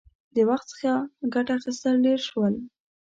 • د وخت څخه ګټه اخیستل ډېر شول.